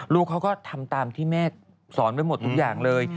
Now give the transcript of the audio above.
ลูกเขาก็ทำตามที่แม่สอนไว้หมดทุกอย่างเลย